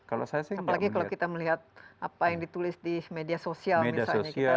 apalagi kalau kita melihat apa yang ditulis di media sosial misalnya kita rasa sudah